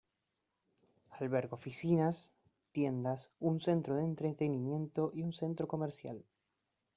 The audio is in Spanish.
Alberga oficinas, tiendas, un centro de entretenimiento y un centro comercial.